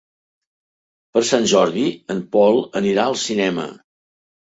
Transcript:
Per Sant Jordi en Pol anirà al cinema.